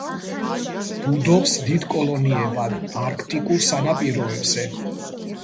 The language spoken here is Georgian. ბუდობს დიდ კოლონიებად არქტიკულ სანაპიროებზე.